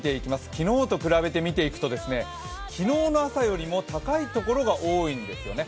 昨日と比べて見ていくと昨日の朝よりも高い所が多いんですよね。